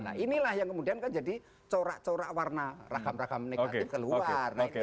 nah inilah yang kemudian kan jadi corak corak warna ragam ragam negatif keluar